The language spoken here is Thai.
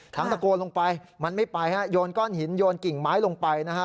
ทางตะโกลงไปมันไม่ไปโยนก้อนหินโยนกิ่งไม้ลงไป